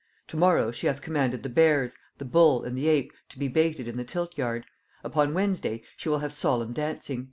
Tomorrow she hath commanded the bears, the bull and the ape to be baited in the tilt yard; upon Wednesday she will have solemn dancing."